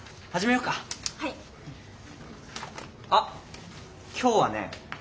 あっ今日はね